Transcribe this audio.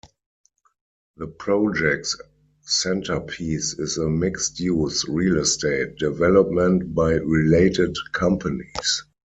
The project's centerpiece is a mixed-use real estate development by Related Companies.